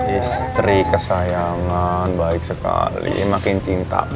istri kesayangan baik sekali makin cinta